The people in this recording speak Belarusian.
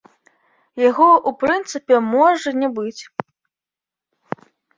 Яго ў прынцыпе можа не быць.